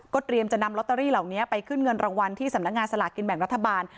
เตรียมจะนำลอตเตอรี่เหล่านี้ไปขึ้นเงินรางวัลที่สำนักงานสลากกินแบ่งรัฐบาล